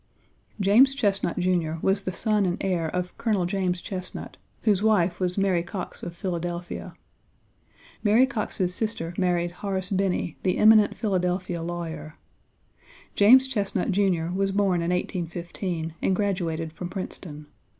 James Chesnut, Jr., was the son and heir of Colonel James Chesnut, whose wife was Mary Coxe, of Philadelphia. Mary Coxe's sister married Horace Binney, the eminent Philadelphia lawyer. James Chesnut, Jr., was born in 1815 and graduated from Princeton.